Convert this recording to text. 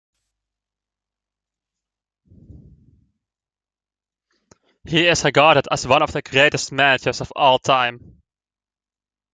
He is regarded as one of the greatest managers of all time.